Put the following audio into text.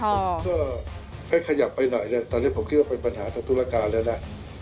ผมก็ให้ขยับไปหน่อยเนี่ยตอนนี้ผมคิดว่าเป็นปัญหาทางธุรการแล้วนะ